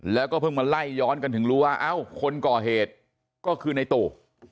แล้วก็เพิ่งมาไล่ย้อนกันถึงรู้ว่าเอ้าคนก่อเหตุก็คือในตู่